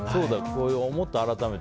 思った、改めて。